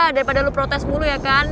daripada lo protes mulu ya kan